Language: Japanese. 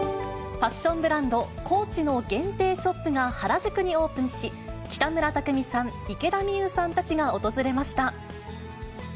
ファッションブランド、ＣＯＡＣＨの限定ショップが原宿にオープンし、北村匠海さん、池田美優さんたちが訪れました。